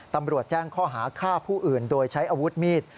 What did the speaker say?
ตำรวจแจ้งข้อหาฆ่าผู้อื่นโดยใช้อาวุธมีด